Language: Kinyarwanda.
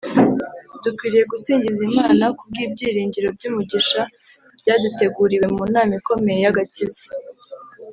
dukwiriye gusingiza imana kubw’ibyiringiro by’umugisha byaduteguriwe mu nama ikomeye y’agakiza.